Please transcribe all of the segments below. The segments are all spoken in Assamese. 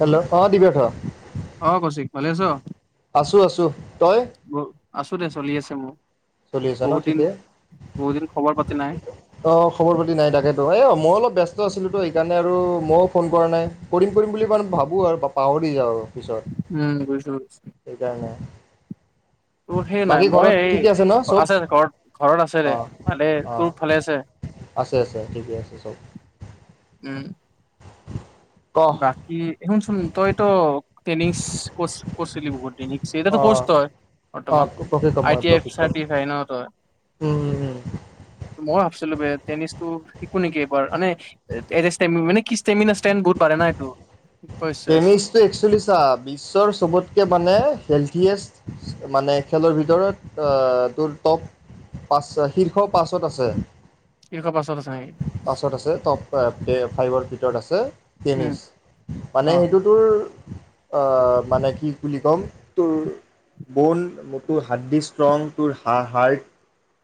হেল্ল' অ দিবেশ্বৰ। অ কৌশিক ভালে আছ? আছো আছোঁ, তই? ব- আছো দে চলি আছে মোৰ। চলি আছ ন বহুত দিন ঠিকে? বহুত দিন খবৰ পাতি নাই অ খবৰ পাতি নাই তাকেতো এ অ মই অলপ ব্যস্ত আছিলোতো সেইকাৰণে আৰু ময়ো ফোন কৰা নাই, কৰিম কৰিম বুলি মানে ভাবোঁ আৰু পাহৰি যাওঁ। পিছত উম বুজিছো বুজিছো। সেইকাৰণে তোৰ সেই নাই বাকী মই ঘৰত এই, ঠিকে ন চব আছে ঘৰত ঘৰত আছে অ দে। মানে অ তোৰ ফালে আছে। আছে আছে ঠিকে আছে চব উম। ক বাকী শুনচোন, তইটো টেনিচ কৰ্চ কৰিছিলি বহুত দেৰি। এো অ কৰ্চ ত‌ই, অ বৰ্তমান প্ৰশিক্ষক আই মই টি আই প্ৰশিক্ষক চাৰ্টিফাই ন ত‌ই, মই ভাবছিলো বে টেনিচটো শিকো নেকি এইবাৰ। মানে এ মান কি ষ্টেি ু [unintelligible] পাৰে না এইটো। কেমিচটো এক্সোয়েলি চা বিশ্বৰ চবতকে মানে, হেলথিয়েষ্ট মানে খেলৰ ভিতৰত অ তোৰ টপ পাঁচ শীৰ্ষ পাচত আছে। শীৰ্ষ পাছত আছে। নেকি? পাছত আছে। টপ পে ফাইভ- [unintelligible] আছে উম টেনিছ মানে অ সেইটোতোৰ অ মানে কি বুলি ক'ম তোৰ বন তোৰ হাত দি ষ্ট্ৰং তোৰ হা হাৰ্ট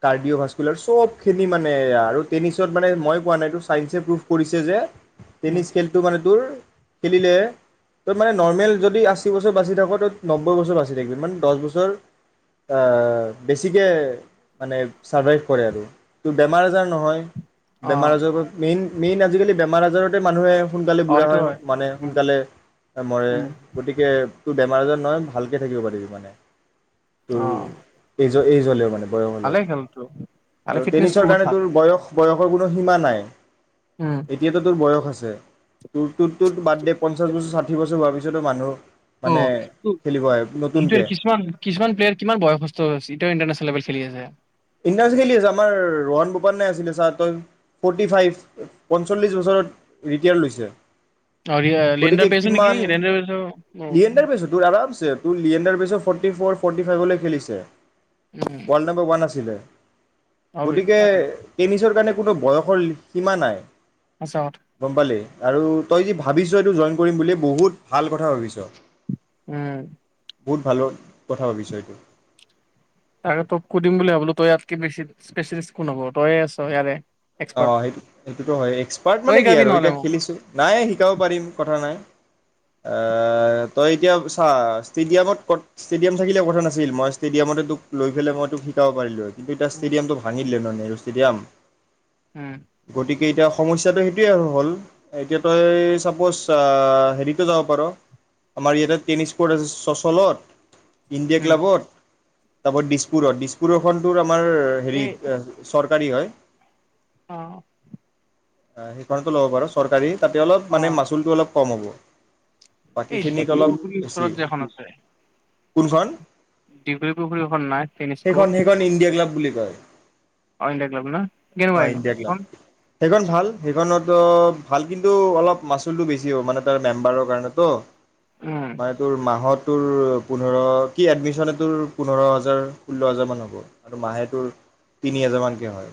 কাৰ্ডিঅ' ভ্কুলাৰ চব খিনি মানে আৰু [unintelligible] ত মানে মই কোৱা নাইটো চাইন্সে প্ৰুভ কৰিছে যে উম টেনিছ খেলতটো মানে তোৰ খেলিলে তই মানে নৰ্মেল যদি আশী বছৰ বাচি থাক তই নব্বৈ বছৰ বাচি থাকিব মানে দহ বছৰ আহ বেছিকে মানে চাৰ্ভাইভ কৰে আৰু তো বেমাৰ আজাৰ নহয় অ বেমাৰ আজাৰ পৰা পেইন মেইন আজিকালি বেমাৰ আজাৰতে মানুহে সোনকালে অ বুঢ়া সেইটো হয় মানে উম সোনকালে মৰে উম গতিকে তোৰ বেমাৰ আজাৰ নহয় ভালকে থাকিব পাৰিবি মানে অ উম [unintelligible] এই [unintelligible] বয়স হ'লে ভালে খেলটো ভালে আৰু ফিটনেচটো টেনিছৰ বহুত কাৰণে ভাল তোৰ বয়স বয়সৰ কোনো সীমা নাই উম এতিয়াতো তোৰ বয়স আছে তে তোৰ তোৰ তোৰ বাদ দে পঞ্চাছ বছৰ ছাঠি বছৰ হোৱাৰ পিছতো মানুহ অ মানে টো খেলিব আহে [unintelligible] নতুনকে কিছুমান কিছুমান প্লেয়াৰ কিমান বয়সস্থ [unintelligible] ইণ্টাৰনেনেল লেভেল খেলি আছে বিন্দাছ খেলি আছে আমাৰ ৰোহন বোপান যে আছিলে ছাৰ তেওঁ ফৰ্টি ফাইভ পঞ্চল্লিছ বছৰত ৰিটায়াৰ লৈছে আৰু গতিকে লিয়েণ্ডাৰ পেছ মানে কি কিমান লিয়েণ্ডাৰ পেছো অঁ লিয়েণ্ডাৰ পেছো তোৰ আৰামছে তোৰ লিয়েণ্ডাৰ পেছো ফৰ্টি ফ'ৰ ফৰ্টি ফাইভৰলৈ খেলিছে উম ৱৰ্ল্ড নম্বাৰ উৱান আছিল [unintelligible] হয় গতিকে তাকে টেনিছৰ কাৰণে কোনো বয়সৰ সীমা নাই সঁচা কথা গম পালি আৰু তই যি ভাবিছ এইটো জইন কৰিম বুলি বহুত ভাল কথা ভাবিছ উম বহুত ভালৰ কথা ভাবিছ এইটো তাকে তোক সুধিম বুলি ভাবিলো তই ইয়াতকে বেছি স্পচিয়েলিষ্ট কোন হ'ব তইয়ে আছ ইয়াৰে এক্সপাৰ্ট অঁ সেইটো সেইটোতো হয়ে এক্সপাৰ্ট তই মানে কি শিকাবি আৰু নহ'লে এতিয়া মোক খেলিছো নাই শিকাব পাৰিম কথা নাই আহ তই এতিয়া চা ষ্টেডিয়ামত কত ষ্টেডিয়াম থাকিলে কথা নাছিল মই ষ্টেডিয়ামতে তোক লৈ পালে মই তোক শিকাব পাৰিলো হয় কিন্তু এতিয়া উম ষ্টডিয়ামটো ভাঙিলে ন নেহেৰু ষ্টেডিয়াম উম গতিকে এতিয়া সমস্যাটো সেইটোৱেই আৰু হ'ল এতিয়া তই ছাপোজ আ হেৰিতো যাব পাৰ আমাৰ ইয়াতে টেনিছ কৰ্ট আছে চচলত ইণ্ডিয়া ক্লাবত তাৰ উপৰত দিছপুৰত দিছপুৰৰখনটোত [unintelligible] মাৰ এই হেৰিক এ সৰ্প কাঢ়ি হয় অঁ আই সেইখনতো ল'ব পাৰ চৰকাৰী তাতে অলপ অ মানে মাচুলটো অলপ কম হ'ব এই বাকীখিনিত অলপ দীঘলীপুখুৰীৰ বেছি উচৰত যে এখন আছে কোনখন দীঘলীপুখুৰী অখন নাই টেনিছ কোৰ্ট জয় অ ইণ্ডিয়া ক্লাব ন কেনেুকুৱা এখন ইখন সেইখন ভাল সেইখনত ভাল কিন্তু অলপ মাচুলটো বেছি হ'ব মানে তাৰ মেম্বাৰৰ কাৰণে কাৰণেত উম বায়ে তোৰ মাহত তোৰ পোন্ধৰ কি এডমিশন তোৰ পোন্ধৰ হাজাৰ ষোল্ল হাজাৰ মান হ'ব আৰু মাহে তোৰ তিনি হাজাৰ মানকে হয়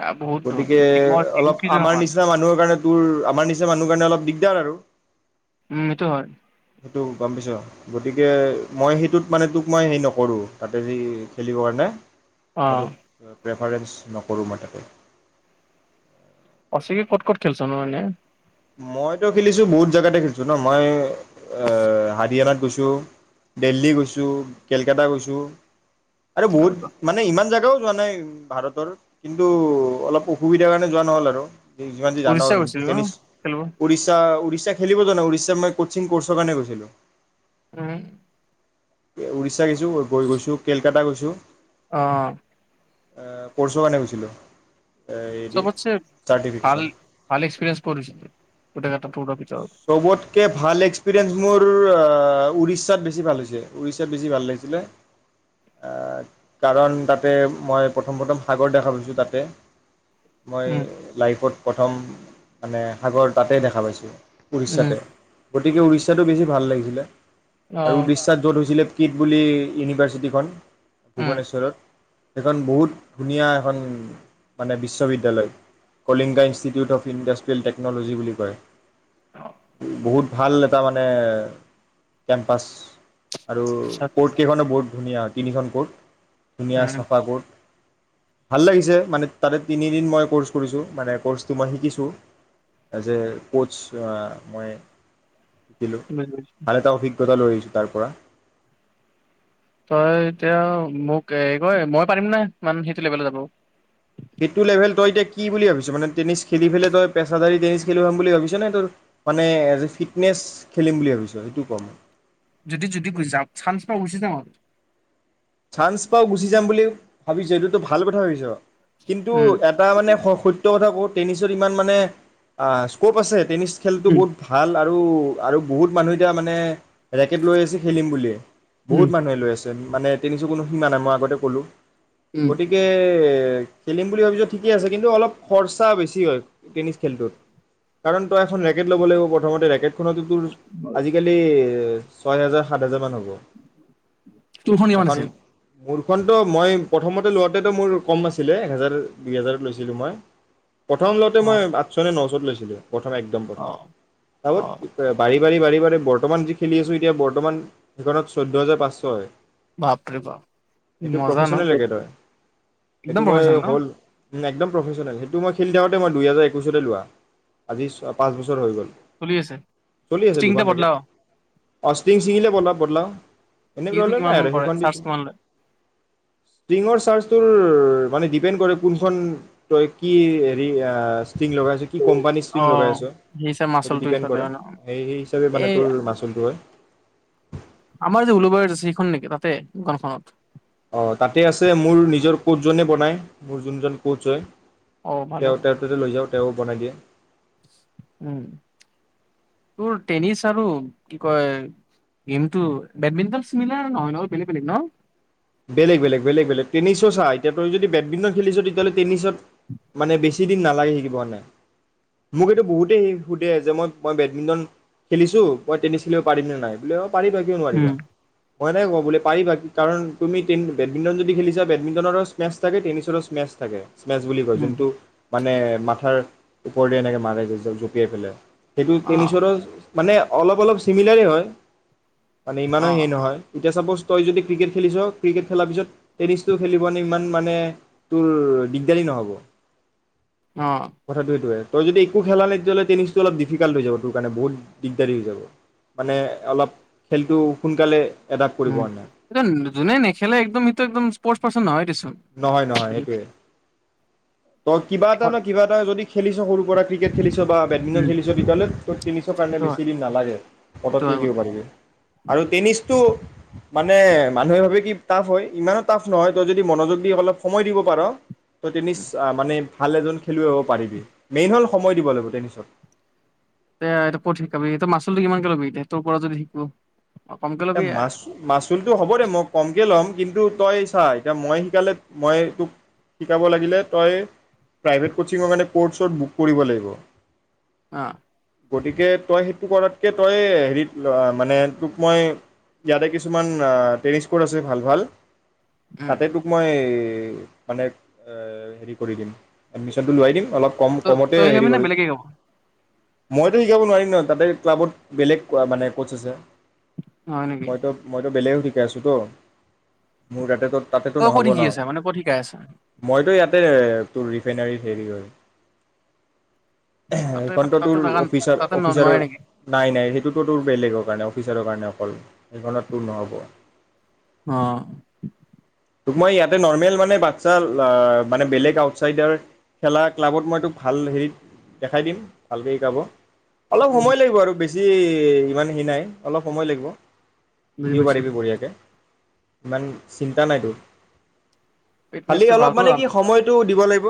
এয়া বহুত দূৰ গতিকে জিমত অলপ জিম ফিজৰ আমাৰ সমান নিচিনা মানুহৰ কাৰণে তোৰ আমাৰ নিচিনা মানুহৰ কাৰণে অলপ দিগদাৰ আৰু উম এইটো হয় সেইটো গম পাইছোঁ গতিকে মই সেইটোত মানে তোক মই হেৰি নকৰোঁ তাতে যি খেলিবৰ কাৰণে অ আৰু [unintelligible] প্ৰেফাৰেঞ্চ নকৰোঁ মাতে ৰ অচিকি ক'ত ক'ত খেলছ ন এনে মইতো খেলিছোঁ বহুত জেগাতে খেলিছোঁ ন মই হাৰিয়ানাত গৈছোঁ দেলহী গৈছোঁ কেলকাটা গৈছোঁ আৰু বহুত মানে ইমান জাগাও যোৱা নাই ভাৰতৰ কিন্তু অলপ অসুবিধাৰ কাৰণে যোৱা নহ'ল আৰু যিমান যি জান উৰিষ্যা গৈছিলি ন টেনিছ খেলিব উৰিষ্যা উৰিষ্যা খেলিব যোৱা নাই উৰিষ্যাত মই কোচিং ক'ৰ্চৰ কাৰণে গৈছিলোঁ উম উৰিষ্যা গেছো গৈ গৈছো কেলকাতা গৈছো অ আহ কোৰ্চৰ কাৰণে গৈছিলো চবটছে ভাল ভাল এক্সপেৰিয়েন্স কত হৈছে গুটেইকেটা ত [unintelligible] চবতকে ভাল এক্সেপ্ৰিয়েন্স মোৰ উৰিষ্যাত বেছি ভাল হৈছে। উৰিষ্যাত বেছি ভাল লাগিছিলে। কাৰণ তাতে মই প্ৰথম প্ৰথম সাগৰ দেখা পাইছোঁ তাতে। মই উম লাইফত প্ৰথম মানে সাগৰ তাতেই দেখা পাইছোঁ। উম উৰিষ্যাতে। গতিকে উৰিষ্যা সিটো বেছি ভাল লাগিছিলে। অ আৰু উৰিষ্যাত য'ত হৈছিলে কিট বুলি ইউনিভাৰ্চিটিখন উম ভূৱনেশ্বৰত। সেইখন বহুত ধুনীয়া এখন মানে বিশ্ববিদ্যালয়, Kalinga institute of industrial technology বুলি কয়। বহুত ভাল এটা মানে কেম্পাছ। আৰু আচ্ছা কোৰ্ট কেইখনো বহুত ধুনীয়া তিনিখন কোৰ্ট। ধুনীয়া উম চাফা কোৰ্ট। ভাল লাগিছে মানে তাতে তিনিদিন মই কোৰ্ছ কৰিছোঁ মানে কোৰ্ছটো মই শিকিছোঁ এজ এ কোচ অ'। মই [unintelligible] বুজি পাইছো ভাল এটা অভিজ্ঞতা লৈ আহিছোঁ। তাৰ পৰা তই এতিয়া মোক এই কয় মই পাৰিম না ইমান সেইটো লেভেলে যাব? সেইটো লেভেল তই এতিয়া কি বুলি ভাবিছ মানে টেনিছ খেলি পেলাই তই পেচাদাৰী টেনিছ খেলিম বুলি ভাবিছ, নে তোৰ মানে এজ এ ফিটনেছ খেলিম বুলি ভাবিছ? সেইটো ক‌ মোক। যদি যদি গ যাও, চাঞ্চ পাও গুচি যাম আৰু। চাঞ্চ পাওঁ গুচি যাম বুলি ভাবিছ, এইটোতো ভাল কথা ভাবিছ। কিন্তু উম এটা মানে [unintelligible] এটা ‌কথা ক, টেনিছত ইমান মানে, আ, স্ক'প আছে, ত টেনিছ খেলটো উম বহুত ভাল বাৰু আৰু বহুত মানুহ এতিয়া মানে ৰেকেট লৈ আছে খেলিম বুলিয়ে, উম বহুত মানুহে লৈ আছে। মানে টেনিছৰ কোনো সীমা নাই, মই আগতে ক'লোঁ। উম গতিকে খেলিম বুলি ভাবিছ ঠিকে আছে, কিন্তু অলপ খৰচা বেছি হয়, টেনিছ খেলটোত। কাৰণ তই এখন ৰেকেট ল'ব লাগিব প্ৰথমতে, ৰেকেটখনতো তোৰ, আজিকালি ছয় হেজাৰ, সাত হেজাৰমান হ'ব। তোৰখন কিমান এখন আছিল? মোৰখনতো, মই প্ৰথমতে লোৱাতেতো মোৰ কম আছিলে, একহেজাৰ, দুই হেজাৰত লৈছিলো মই। প্ৰথম লওঁতে অ মই আঠছ নে নচ ক'ত লৈছিলে? প্ৰথম একদম অ প্ৰথম অ এইবাৰ বৰ্তমান যি খেলি আছো এতিয়া বৰ্তমান সেইখনত চৈধ্য হাজাৰ পাঁচশ হয়। বাপৰে বাপ! সেইটো মজা ন? প্ৰফেচনেল ৰেকেট হয় একদম প্ৰফেছনেল ন? উম, একদম প্ৰফেছনেল। সেইটো মই খেলি থাকোঁতে মই দুই হেজাৰ একৈছতে লোৱা আজি ছ পাঁচ বছৰ হৈ গ'ল। চলি আছে। ষ্ট্ৰিং বদলাও? অঁ ষ্ট্ৰিং ছিঙিলে বদলাও। এনে প্ৰব্লেম নাই আৰু স চাৰ্চ কিমান ষ্টিংৰ চাৰ্জটোৰ মানে ডিপেন্দ কৰে কোনখন কি হেৰি ষ্ট্ৰিং লগাই আছো, কি কোম্পানীৰ অ ষ্ট্ৰিং লগাই আছোঁ সেই হিচাপ সেইটো মাচলটো ডিপেণ্ড সিফালে কৰে, হয় ন সেই সেই হিচাপে মানে এই তোৰ মাচুলটো হয়। আমাৰ যে উলুবাৰীত আছে, সেইখন নেকি তাতে দোকানখনত? অ' তাতে আছে। মোৰ নিজৰ কোচজনে বনায়, মোৰ যোনজন কোচ হয়। অ ভালে তেওঁ তেওঁৰ তাতে লৈ যাওঁ। তেওঁ বনাই দিয়ে। উম তোৰ টেনিছ আৰু কি কয় গেমটো বেডমিন্টন চিমিলাৰ নহয় ন বেলেগ বেলেগ ন? বেলেগ বেলেগ বেলেগ বেলেগ, টেনিছটো চা, এতিয়া তই যদি বেডমিণ্টন খেলিছ তেতিয়াহ'লে টেনিছত মানে বেছি দিন নালাগে শিকিব মানে মোক এইটো বহুতেই সোধে, যে মই মই বেডমিণ্টন খেলিছো মই টেনিছ খেলিব পাৰিমনে নাই, বোলে অ' পাৰিবা কিয় উম নোৱাৰিবা। মই এনেকে ক'ও বোলে পাৰিবা কি কাৰণ তুমি টেন বেডমিণ্টন যদি খেলিছা বেডমিটনৰ স্মেছ থাকে টেনিচৰো স্মেছ থাকে। স্মেচ বুলি কয়। উম যোনটো মানে মাথাৰ ওপৰদি এনেকে মাৰে যে জঁপিয়াই পেলাই। সেইটো অ টেনিচৰো মানে অলপ অলপ চিমিলাৰেই হয়, মানে ইমানো অ হেই নহয়, এতিয়া চাপজ তই যদি ক্ৰিকেট খেলিছ ক্ৰিকেট খেলাৰ পিছত টেনিছটো খেলিব নে ইমান মানে তোৰ দিগদাৰি নহ'ব। অ কথাটো এইটোয়ে। তই যদি একো খেলা নাই তেতিয়া হ'লে টেনিছটো অলপ ডিফিকাল্ট হৈ যাব তোৰ কাৰণে বহুত দিগদাৰী হৈ যাব। মানে অলপ খেলটো সোনকালে এডাপ্ট কৰিব উম, কাৰণে। এয়তো যোনে নেকি খেলে, একদম হেইতো একদম স্পৰ্টচ পাৰ্ৰ্চন নহয় দেছো নহয় নহয় সেইটোৱে। ত কিবা এটা নহ কিবা এটা হয় যদি খেলিছ, সৰু পৰা ক্ৰিকেট খেলিছ খেলছ বা বেডমিণ্টন উম খেলিছ তেতিয়া হ'লে ত' টেনিছৰ কাৰণে সেইটো বেছি হয় দিন নালাগে। সেইটো পটককৈ হয় শিকিব পাৰিবি। আৰু টেনিছটো মানে মানুহে ভাৱে কি টাফ হয়, ইমানো টাফ নহয়, তই যদি মনোযোগ দি অলপ সময় দিব পাৰ তই টেনিচ ভাল এজন খেলুৱৈ হ'ব পাৰিবি। মেইন হ'ল সময় দিব লাগিব। টেনিচত এ এয়া ক'ত শিকাবি, এয়া মাচুলটো কিমানকে ল'বি এতিয়া তোৰ পৰা যদি শিকো। কমকে এ' ল'বি অ মাচ মাচুলটো হ'ব দে মই কমকে ল'ম। কিন্তু তই চা, এতিয়া মই শিকালে মই তোক শিকাব লাগিলে তই প্ৰাইভেট কচিঙৰ মানে ক'ৰ্ চৰ্ড বুক কৰিব লাগিব, অ' গতিকে তই সেইটো কৰাতকে তই হেৰিত মানে তোক মই ইয়াতে কিছুমান টেনিছ ক'ৰ্ট আছে ভাল ভাল উম তাতে তোক মই মানে হেৰি কৰি দিম এডমিশনটো লোৱাই দিম অলপ কম ত কমতে তই হেৰি শিকাবি নে কৰিম বেলেগে শিকাব মইতো শিকাব নোৱাৰিম ন তাতে ক্লাবত বেলেগ মানে ক'ৰ্চ আছে হয় নেকি টো বেলেগও শিকাই আছো তো মোৰ তাতে তত তাতেতো তই ক'ত নহ'ব ন শিকি আছা মানে ক'ত শিকাই আছা মইতো ইয়াত তোৰ ৰিফাইনাৰ হেৰি কৰি তাতে সেখনতো তাতে তোৰ জাগা অফিচাৰ তাতে ন অফিচাৰৰ নোৱাৰে নেকি নাই নাই সেইটোতো তোৰ বেলেগৰ কাৰণে অফিচাৰৰ কাৰণে অ সেইখনটো নহ'ব অ তোক মই ইয়াতে নৰ্মেল মানে বাচ্ছা মানে বেলেগ আউটচাইডাৰ খেলা ক্লাবত মই তোক ভাল হেৰিত দেখাই দিম ভালকৈ শিকাব অলপ উম সময় লাগিব আৰু বেছি বেছি ইমান সি নাই অলপ সময় লাগিব বুজি শিকিব পাইছো পাৰিবি বঢ়িয়াকে ইমান চিন্তা নাইতো খালি ফিটনেচটো অলপ ভালতো মানে কি সময়টো দিব লাগিব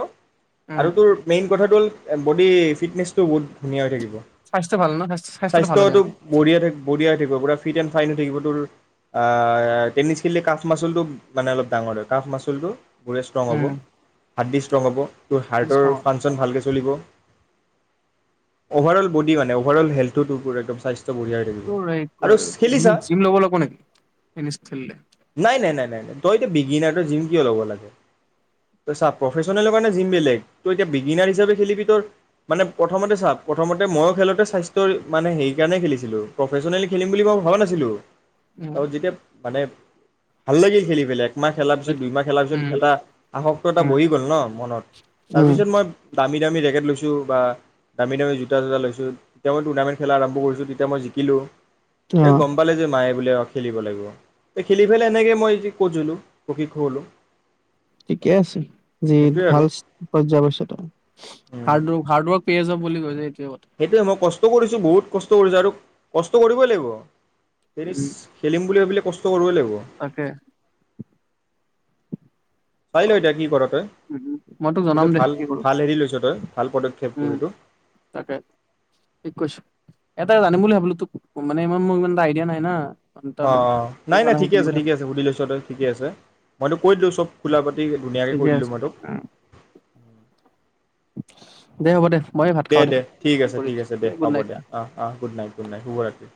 আৰু উম তোৰ মেইন কথাটো হল বডি ফিটনেছটো বহুত ধুনীয়া হৈ থাকিব স্বাস্থ্য ভাল ন স্বাস্থ্য স্বাস্থ্যটো ভাল হৈ যায় স্বাস্থ্যতটো ন বঢ়িয়া থাক বঢ়িয়াই থাকিব পুৰা ফাইনেলি থাকিব তোৰ টেনিছ খেলিলে কাফ মাচুলটো মানে অলপ ডাঙৰ হয় কাফ মাচুলটো গোৰে ষ্ট্ৰং হ'ব উম হাত দি ষ্ট্ৰং হ'ব তোৰ হাৰ্টৰ ফাংচন ভালকৈ চলিব অভাৰ অল বডি মানে অভাৰ অল হেল্থ একদম স্বাস্থ্য বঢ়িয়া হৈ থাকিব হয় আৰু জি খেলিছা জিম লব লাগিব নেকি, টেনিছ খেলিলে নাই নাই নাই নাই নাই তই ত বিগিনাৰ তই জিম কিয় ল'ব লাগে, তই চাব প্ৰফেচনেলৰ কাৰণে জিম বেলেগ তই এতিয়া বিগিনাৰ হিচাপে খেলিবি তই মানে প্ৰথমতে চা প্ৰথমতে ময়ো খেলোতে স্বাস্থ্যৰ মানে হেকাৰণে খেলিছিলো প্ৰফেচনেল খেলিম বুলি মই ভবা নাছিলো ত উম যেতিয়া মানে ভাল লাগিল খেলি পেলাই একমাহ খেলাৰ পিছত, দুইমাহ খেলাৰ পিছত, উম এটা আসক্ত এটা উম বহি গ'ল ন মনত, উম তাৰপিছত মই দামী দামী জেকেট লৈছোঁ, বা দামী দামী জোতা তোতা লৈছোঁ, তেতিয়া মই টুৰ্ণামেট খেলা আৰম্ভ কৰিছো, তেতিয়া মই জিকিলোঁ অ এ গম পালে যে মায়ে খেলিব লাগিব, খেলি পেলাই এনেকৈ মই ক'জলোঁ পকী হ [unintelligible] লোঁ ঠিকে আছে। যি ভাল পৰ্যবশ হাৰ্ড হাৰ্ড ৱৰ্ক পে য [unintelligible] বুলি কৈয় সেইটোৱে মই কচ কষ্ট কৰিছোঁ বহুত কষ্ট কৰিছোঁ আৰু কষ্ট কৰিবই লাগিব। তেনিছ উম খেলিম বুলি ভাবিলে কষ্ট কৰিবই লাগিব। তাকে চাই অ ল এতিয়া কি কৰ তই, উম, মই তোক জনাম কিন্তু দে ভাল কি কৰো ভাল হেৰি লৈছ তই ভাল পদক্ষেপ উম তোৰ এইটো। এটাই জানিম বুলি ভাবিলো তোক, মানে ইমান মোৰ ইমান এটা আইডিয়া নাই না। মানে তাৰ অ ওপৰত তোৰ নাই নাই কাৰণে ঠিকে সুধিম আছে বুলি ঠিকে ভাবিলো। আছে সুধি লৈছ তই ঠিকে আছে। মই তোক কৈ দিলোঁ চব খোলা পাতি ধুনীয়াকে কৈ ঠিকে দিলো আছে মই তোক। উম, দে হ'ব দে। মই ভাত দে খাওঁ দে ঠিক ফোন আছে কৰি ঠিক আছো আছে দে গুড হ'ব নাইট দে আহ আহ গুড নাইট গুড নাইট শুভৰাত্ৰি